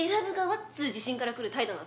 っつう自信からくる態度なんですよね